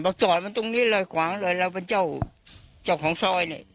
บอกจ่อยมาตรงนี้เลยขวางเลยแล้วเป็นเจ้าของซอย